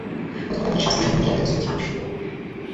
প্রথমত আমাদের শাস্ত্র সম্বন্ধেই আমাদের কিছু বুঝা আবশ্যক।